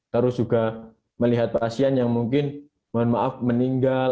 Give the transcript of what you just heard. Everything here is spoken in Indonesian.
terus juga melihat pasien yang mungkin mohon maaf meninggal